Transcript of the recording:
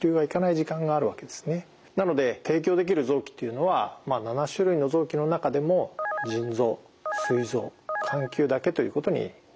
なので提供できる臓器っていうのは７種類の臓器の中でも腎臓すい臓眼球だけということになっています。